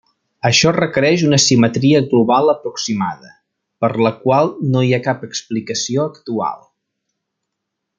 Això requereix una simetria global aproximada, per la qual no hi ha cap explicació actual.